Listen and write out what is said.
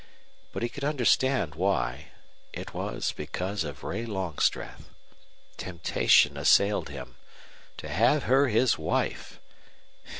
But he could understand why. It was because of Ray Longstreth. Temptation assailed him. To have her his wife!